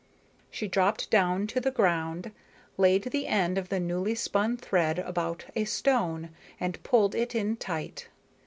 She dropped down to the ground, laid the end of the newly spun thread about a stone, and pulled it in tight.